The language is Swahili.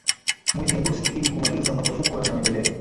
mwezi agost ili kumaliza machafuko yanayoendelea